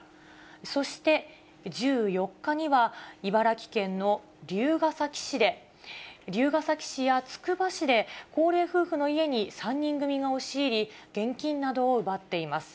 そして１４日には、茨城県の龍ケ崎市で、龍ケ崎市やつくば市で、高齢夫婦の家に３人組が押し入り、現金などを奪っています。